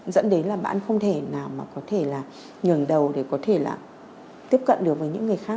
dẫn đến là bạn không thể nào mà có thể là nhường đầu để có thể là tiếp cận được với những người khác